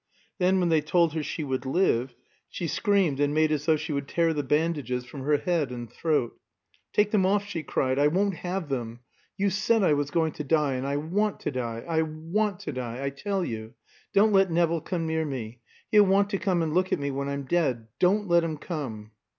Then, when they told her she would live, she screamed and made as though she would tear the bandages from her head and throat. "Take them off," she cried, "I won't have them. You said I was going to die, and I want to die I want to die I tell you. Don't let Nevill come near me. He'll want to come and look at me when I'm dead. Don't let him come!"